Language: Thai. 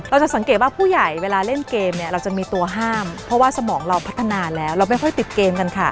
เราจะสังเกตว่าผู้ใหญ่เวลาเล่นเกมเนี่ยเราจะมีตัวห้ามเพราะว่าสมองเราพัฒนาแล้วเราไม่ค่อยติดเกมกันค่ะ